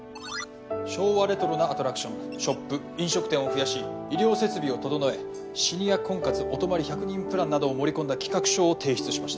昭和レトロなアトラクションショップ飲食店を増やし医療設備を整えシニア婚活お泊まり１００人プランなどを盛り込んだ企画書を提出しました。